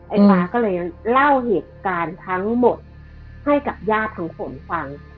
ฟ้าก็เลยเล่าเหตุการณ์ทั้งหมดให้กับญาติทั้งฝนฟัง